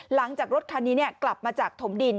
หลังจากรถคันนี้กลับมาจากถมดิน